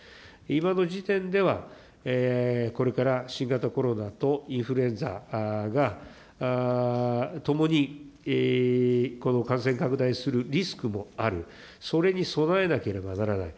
今の時点では、これから新型コロナとインフルエンザがともにこの感染拡大するリスクもある、それに備えなければならない。